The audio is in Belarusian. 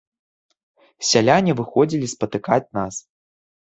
Сяляне выходзілі спатыкаць нас.